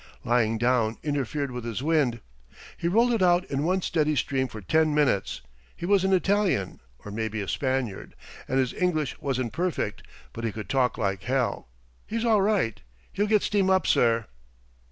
Lying down interfered with his wind. He rolled it out in one steady stream for ten minutes. He was an Italian, or maybe a Spaniard, and his English wasn't perfect, but he could talk like hell. He's all right. He'll get steam up, sir."